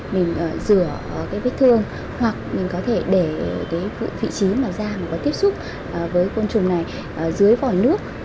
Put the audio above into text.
mình rửa cái vết thương hoặc mình có thể để cái vị trí mà da mà có tiếp xúc với côn trùng này dưới vòi nước